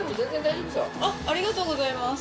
垢い泙擦ありがとうございます。